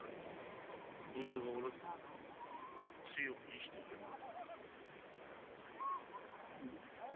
文造がおらずとも強く生きていけるな。